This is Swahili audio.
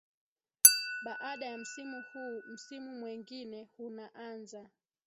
Baada ya msimu huu msimu mwengine hunaanza